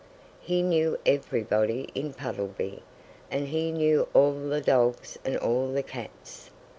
He knew everybody in Puddleby; and he knew all the dogs and all the cats.